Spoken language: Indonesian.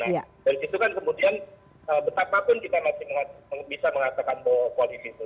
dan kemudian betapa pun kita masih bisa mengatakan bahwa koalisi itu